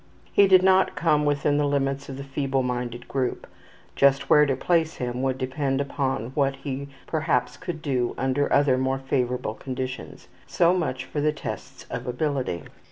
He did not come within the limits of the feebleminded group. Just where to place him would depend upon what he perhaps could do under other more favorable conditions. So much for the tests of ability.